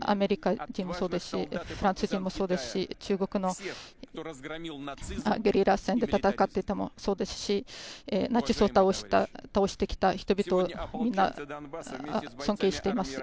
アメリカ人もそうですしフランス人もそうですし、中国の、ゲリラ戦で戦っていた人もそうですし、ナチスを倒してきた人々を皆、尊敬しています。